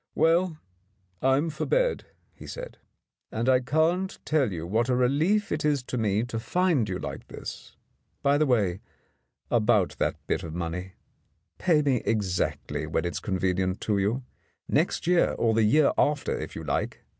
"Well, I'm for bed," he said. "And I can't tell you what a relief it is to me to find you like this. By the way, about that bit of money. Pay me exactly when it's convenient to you — next year or the year after, if you like.